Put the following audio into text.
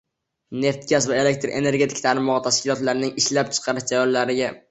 neft-gaz va elektr energetika tarmog‘i tashkilotlarining ishlab chiqarish jarayonlariga